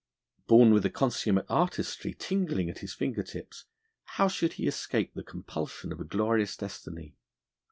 Born with a consummate artistry tingling at his finger tips, how should he escape the compulsion of a glorious destiny?